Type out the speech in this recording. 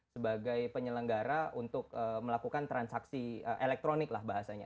sebagai penyelenggara untuk melakukan transaksi elektronik lah bahasanya